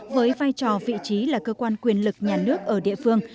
với vai trò vị trí là cơ quan quyền lực nhà nước ở địa phương